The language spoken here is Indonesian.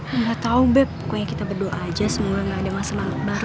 gak tau beb pokoknya kita berdoa aja semoga gak ada masalah baru